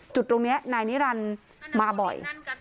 จุดตรงนี้นายนิรันดิ์มาบ่อย